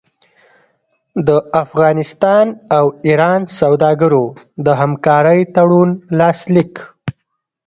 د افغانستان او ایران سوداګرو د همکارۍ تړون لاسلیک